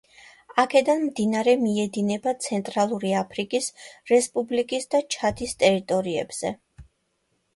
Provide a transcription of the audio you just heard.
აქედან მდინარე მიედინება ცენტრალური აფრიკის რესპუბლიკის და ჩადის ტერიტორიებზე.